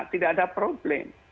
tidak ada problem